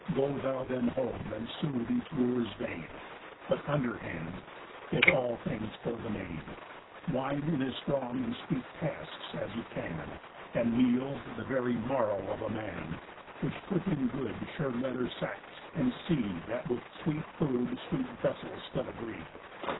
Go thou then home, and sooth each Wooer's vein, But under hand fit all things for the main; Wine in as strong and sweet casks as you can, And meal, the very marrow of a man, Which put in good sure leather sacks, and see That with sweet food sweet vessels still agree.